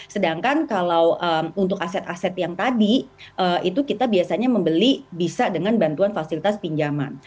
sedangkan kalau untuk aset aset yang tadi itu kita biasanya membeli bisa dengan bantuan fasilitas pinjaman